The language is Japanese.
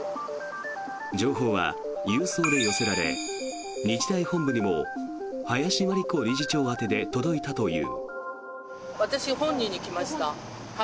情報は郵送で寄せられ日大本部にも林真理子理事長宛てで届いたという。